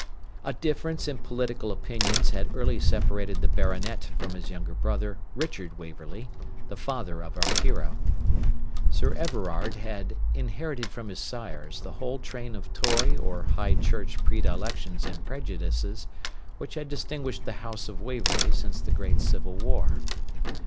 A difference in political opinions had early separated the Baronet from his younger brother Richard Waverley, the father of our hero. Sir Everard had inherited from his sires the whole train of Tory or High Church predilections and prejudices which had distinguished the house of Waverley since the Great Civil War.